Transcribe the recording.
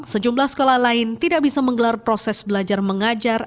sejumlah sekolah lain tidak bisa menggelar proses belajar mengajar